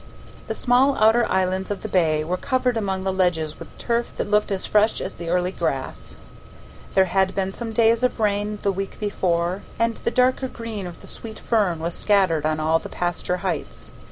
The small outer islands of the bay were covered among the ledges with turf that looked as fresh as the early grass; there had been some days of rain the week before, and the darker green of the sweet fern was scattered on all the pasture heights.